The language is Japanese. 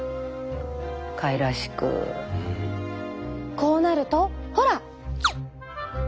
こうなるとほら！